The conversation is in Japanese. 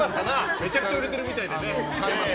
めちゃくちゃ売れてるみたいで。